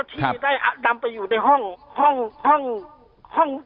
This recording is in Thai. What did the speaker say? ได้คำเดิมไปอยู่ในห้อง